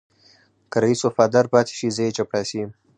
که رئيس وفادار پاتې شي زه يې چپړاسی یم.